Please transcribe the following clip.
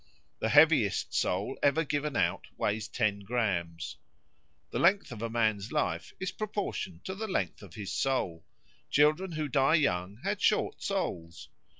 The heaviest soul ever given out weighs about ten grammes. The length of a man's life is proportioned to the length of his soul; children who die young had short souls.